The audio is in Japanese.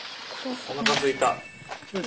おなかすいた。